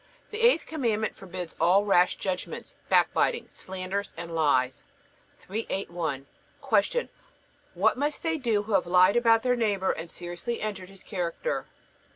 The eighth Commandment forbids all rash judgments, backbiting, slanders, and lies. 381. Q. What must they do who have lied about their neighbor and seriously injured his character?